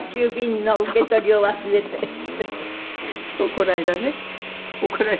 この間ね怒られました。